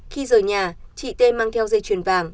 khi rời nhà chị t mang theo dây chuyền vàng